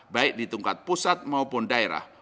baik di tingkat pusat maupun daerah